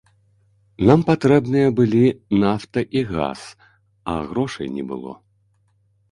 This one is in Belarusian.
Нам патрэбныя былі нафта і газ, а грошай не было.